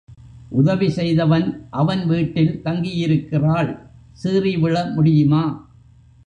உதவி செய்தவன், அவன் வீட்டில் தங்கியிருக்கிறாள், சீறி விழ முடியுமா?